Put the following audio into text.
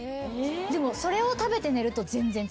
でもそれを食べて寝ると全然違うんです。